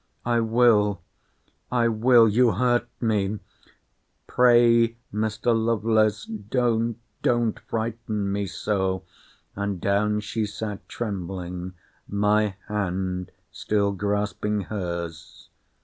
I will—I will—You hurt me—Pray, Mr. Lovelace, don't—don't frighten me so—And down she sat, trembling; my hand still grasping her's.